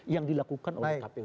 yang dilakukan oleh kpu